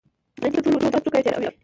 انیاب تر ټولو اوچت او څوکه یې تیره وي.